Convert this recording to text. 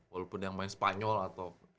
walaupun yang main spanyol atau